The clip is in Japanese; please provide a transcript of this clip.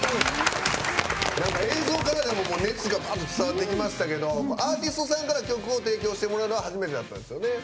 映像からでも熱がばーっと伝わってきましたけどアーティストさんから曲を提供してもらうのは初めてだったんですよね？